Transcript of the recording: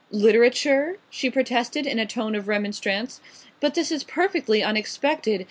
"Literature?" she protested in a tone of remonstrance. "But this is perfectly unexpected.